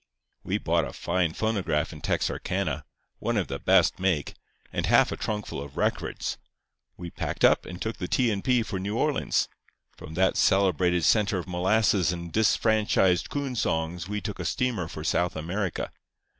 "We bought a fine phonograph in Texarkana—one of the best make—and half a trunkful of records. We packed up, and took the T. and P. for New Orleans. From that celebrated centre of molasses and disfranchised coon songs we took a steamer for South America.